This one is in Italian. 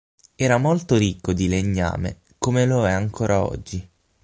Era molto ricco di legname, come lo è ancora oggi.